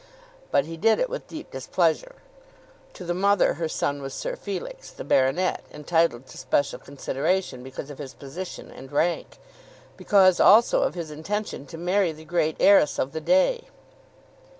But he did it with deep displeasure. To the mother her son was Sir Felix, the baronet, entitled to special consideration because of his position and rank, because also of his intention to marry the great heiress of the day.